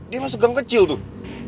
dia masuk gang kecil tuh